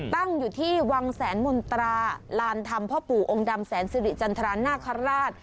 ตั้งอยู่ที่วังแสนมนตราลานธรรมพ่อปู่องค์ดำแสนสิริจันทรานาคาราช